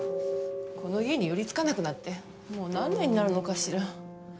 この家に寄り付かなくなってもう何年になるのかしら。